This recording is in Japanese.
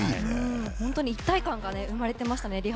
本当に一体感が生まれていましたね。